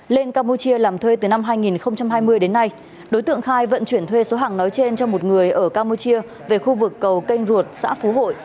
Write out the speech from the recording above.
lên campuchia làm thuê từ năm hai nghìn hai mươi đến nay đối tượng khai vận chuyển thuê số hàng nói trên cho một người ở campuchia về khu vực cầu kênh ruột xã phú hội